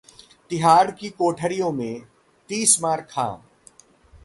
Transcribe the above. तिहाड़ की कोठरियों में 'तीसमार खां'...